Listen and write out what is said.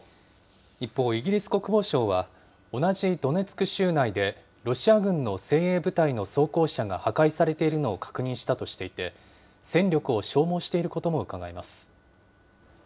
一方、イギリス国防省は同じドネツク州内で、ロシア軍の精鋭部隊の装甲車が破壊されているのを確認したとしていて、戦力を消耗していることもうかがえます。